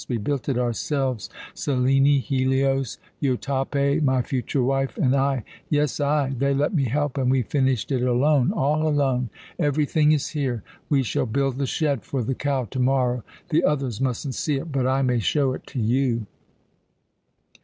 We built it ourselves. Selene, Helios, Jotape, my future wife, and I yes, I! They let me help, and we finished it alone, all alone! Everything is here. We shall build the shed for the cow to morrow. The others mustn't see it, but I may show it to you."